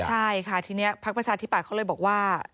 ใช่ค่ะทีนี้พักประชาธิบัตย์เขาเลยบอกว่า